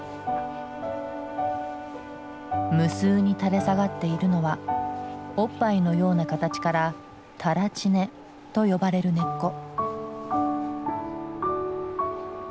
無数に垂れ下がっているのはおっぱいのような形から垂乳根と呼ばれる根っこ。